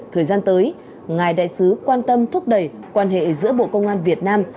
thời gian tới ngài đại sứ quan tâm thúc đẩy quan hệ giữa bộ công an việt nam